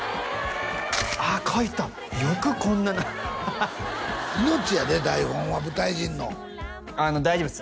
あっ描いたよくこんな命やで台本は舞台人のあの大丈夫です